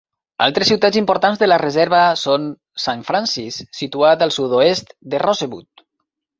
Altres ciutats importants de la reserva són Saint Francis, situat al sud-oest de Rosebud.